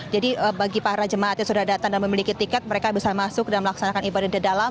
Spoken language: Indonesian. jadi bagi para jemaat yang sudah datang dan memiliki tiket mereka bisa masuk dan melaksanakan ibadah di dalam